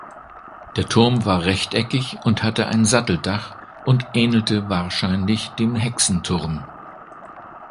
Der Turm war rechteckig und hatte ein Satteldach und ähnelte wahrscheinlich dem Hexenturm.